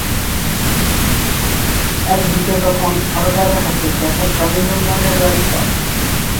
এদিকে তখন সরকারের হাতে ব্যাপক গ্রামীণ উন্নয়নের দায়িত্ব।